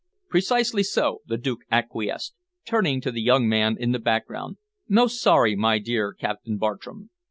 "Precisely so," the Duke acquiesced, turning to the young man in the background. "Most sorry, my dear Captain Bartram.